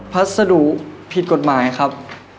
พัสดุผิดกฎหมายครับ